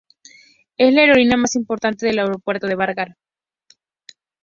Es la aerolínea más importante del Aeropuerto de Vágar.